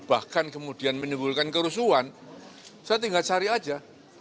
bahkan kemudian menimbulkan kerusuhan saya tinggal cari aja